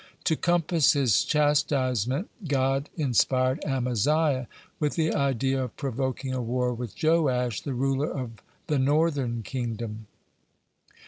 To compass his chastisement, God inspired Amaziah with the idea of provoking a war with Joash, the ruler of the northern kingdom.